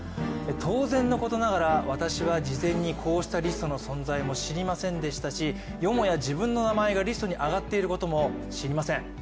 当然のことながら、私は事前にこうしたリストの存在は知りませんでしたしよもや自分の名前がリストに上がっていることも知りません。